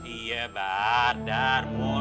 iya bar dar mo